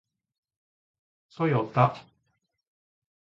トヨタ